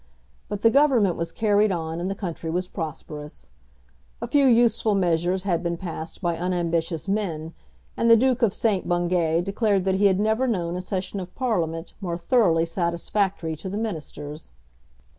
But the Government was carried on and the country was prosperous. A few useful measures had been passed by unambitious men, and the Duke of St. Bungay declared that he had never known a Session of Parliament more thoroughly satisfactory to the ministers.